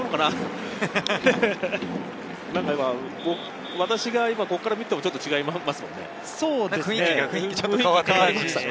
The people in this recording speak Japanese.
なんか今、私がここから見てもちょっと違いますもんね。